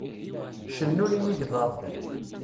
Cennun yigḍaḍ.